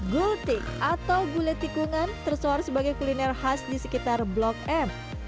gultik atau gulai tikungan tersuara sebagai kuliner khas di sekitar blok m